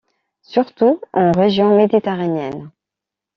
Surtout en région méditerranéenne.